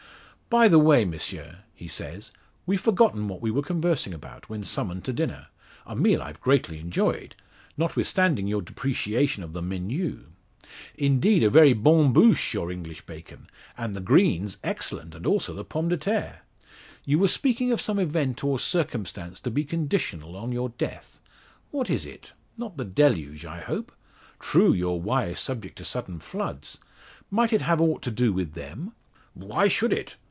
"By the way, M'sieu," he says, "we've forgotten what we were conversing about, when summoned to dinner a meal I've greatly enjoyed notwithstanding your depreciation of the menu. Indeed, a very bonne bouche your English bacon, and the greens excellent, as also the pommes de terre. You were speaking of some event, or circumstance, to be conditional on your death. What is it? Not the deluge, I hope! True, your Wye is subject to sudden floods; might it have ought to do with them?" "Why should it?"